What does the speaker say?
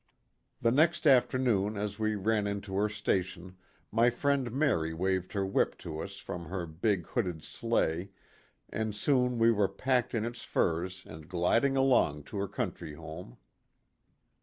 The next afternoon as we ran into her sta tion my friend Mary waved her whip to us from her big hooded sleigh and soon we were packed in its furs and gliding along to her country home.